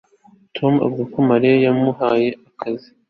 Tom avuga ko Mariya yamuhaye akazi